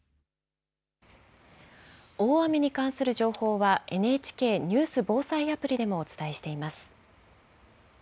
大雨に関する情報はＮＨＫニュース・防災アプリでもお伝えしています。